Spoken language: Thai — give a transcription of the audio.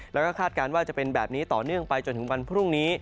แล้วก็คาดการณ์ว่าจะเป็นแบบนี้ต่อเนื่องไปจนถึงวันพรุ่งนี้